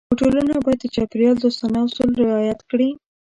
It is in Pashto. هوټلونه باید د چاپېریال دوستانه اصول رعایت کړي.